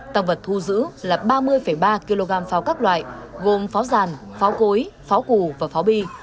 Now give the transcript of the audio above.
tăng vật thu giữ là ba mươi ba kg pháo các loại gồm pháo giàn pháo cối pháo củ và pháo bi